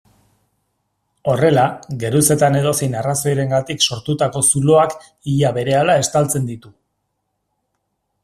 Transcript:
Horrela, geruzetan edozein arrazoirengatik sortutako zuloak ia berehala estaltzen ditu.